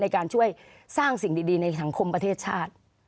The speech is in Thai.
ในการช่วยสร้างสิ่งดีในสังคมประเทศชาติ